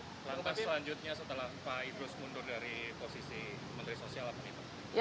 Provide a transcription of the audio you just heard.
langkah selanjutnya setelah pak idrus mundur dari posisi menteri sosial begitu